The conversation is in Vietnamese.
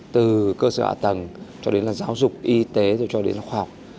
từ cơ sở ạ tầng cho đến là giáo dục y tế cho đến là khoa học